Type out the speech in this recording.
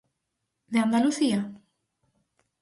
¿De Andalucía?